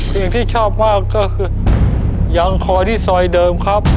สิ่งที่ชอบมากก็คือยังคอยที่ซอยเดิมครับ